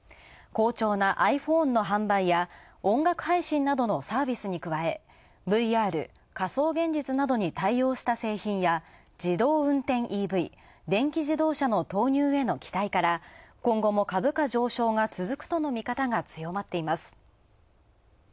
好調なｉＰｈｏｎｅの販売や、音楽配信などのサービスに加えＶＲ＝仮想現実などに対応した製品や自動運転ＥＶ電気自動車の投入への期待から今後も株価上昇との強まっています。